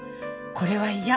「これは嫌」